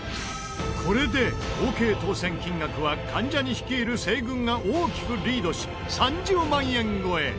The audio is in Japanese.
これで、合計当せん金額は関ジャニ率いる西軍が大きくリードし、３０万円超え